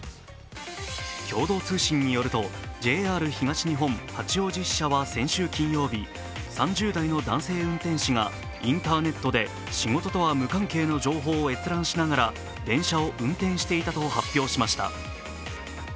共同通信によるとＪＲ東日本・八王子支社は先週金曜日３０代の男性運転士がインターネットで仕事とは無関係の情報を閲覧しながら電車を運転していたと発表しました。